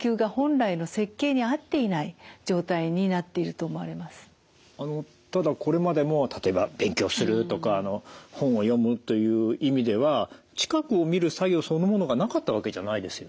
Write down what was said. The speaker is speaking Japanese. やはりそれには環境的な要因が大きくてただこれまでも例えば勉強するとか本を読むという意味では近くを見る作業そのものがなかったわけじゃないですよね？